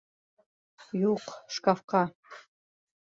Юҡ, шкафҡа!